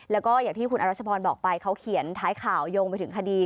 แล้วก็อย่างที่คุณอรัชพรบอกไปเขาเขียนท้ายข่าวโยงไปถึงคดี